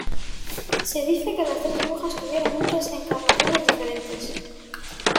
Se dice que las Tres Brujas tuvieron muchas encarnaciones diferentes.